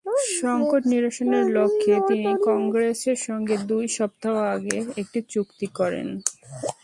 সংকট নিরসনের লক্ষ্যে তিনি কংগ্রেসের সঙ্গে দুই সপ্তাহ আগে একটি চুক্তি করেন।